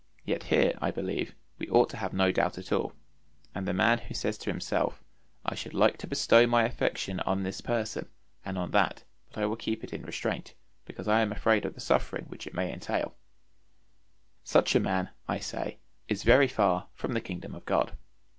Yet here, I believe, we ought to have no doubt at all; and the man who says to himself, "I should like to bestow my affection on this person and on that, but I will keep it in restraint, because I am afraid of the suffering which it may entail," such a man, I say, is very far from the kingdom of God.